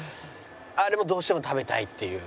あれもどうしても食べたいっていう。